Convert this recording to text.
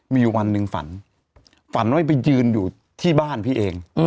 มีอยู่วันหนึ่งฝันฝันว่าไปยืนอยู่ที่บ้านพี่เอง